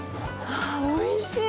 おいしい。